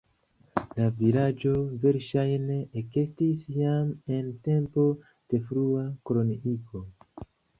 La vilaĝo verŝajne ekestis jam en tempo de frua koloniigo.